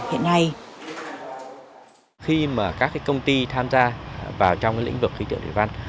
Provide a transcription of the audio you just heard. trong khi các công ty tham gia vào trong lĩnh vực khí tượng thủy văn